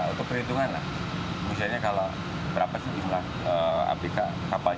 atau perhitungan lah misalnya kalau berapa sih jumlah hbk kapal